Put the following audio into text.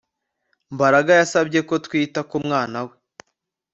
Mbaraga yasabye ko twita ku mwana we